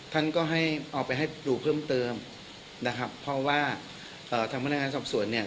ท่านก็ให้เอาไปให้ดูเพิ่มเติมนะครับเพราะว่าเอ่อทางพนักงานสอบสวนเนี่ย